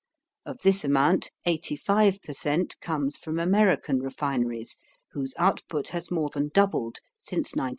Of this amount 85 per cent, comes from American refineries, whose output has more than doubled since 1900.